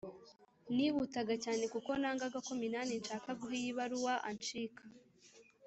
nihuta cyane kuko nangaga ko Minani nshaka guha iyi baruwa anshika